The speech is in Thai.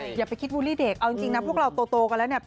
อย่าไปคิดบูลลี่เด็กเอาจริงนะพวกเราโตกันแล้วเนี่ย